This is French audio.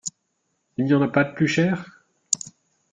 Il n’y en a pas de plus cher ?